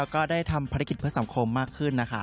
ก็ได้ทำภารกิจเพื่อสังคมมากขึ้นนะคะ